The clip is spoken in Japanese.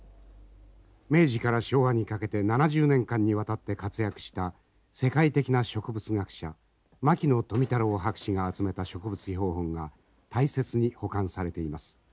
明治から昭和にかけて７０年間にわたって活躍した世界的な植物学者牧野富太郎博士が集めた植物標本が大切に保管されています。